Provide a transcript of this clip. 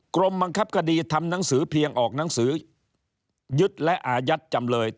กรมบังคับคดีทำหนังสือเพียงออกหนังสือยึดและอายัดจำเลย